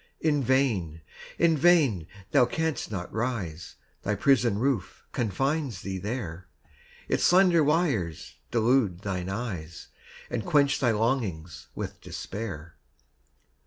In vain in vain! Thou canst not rise: Thy prison roof confines thee there; Its slender wires delude thine eyes, And quench thy longings with despair.